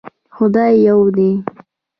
خدای يو دی